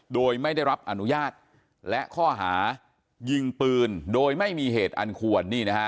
โดยไม่ได้รับอนุญาตและข้อหายิงปืนโดยไม่มีเหตุอันควร